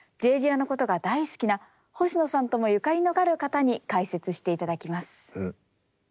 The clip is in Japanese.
Ｊ・ディラのことが大好きな星野さんともゆかりのある方に解説していただきます。